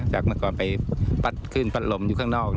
เมื่อก่อนไปพัดขึ้นพัดลมอยู่ข้างนอก